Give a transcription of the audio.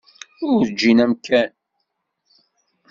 Ur ǧǧin amkan.